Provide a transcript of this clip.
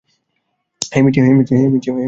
হেই, Michi কি হয়েছে?